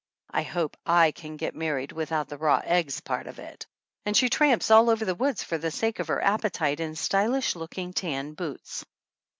I hope / can get married without the raw eggs part of it. And she tramps all over the woods for the sake of her appetite in stylish looking tan boots.